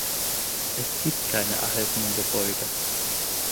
Es gibt keine erhaltenen Gebäude.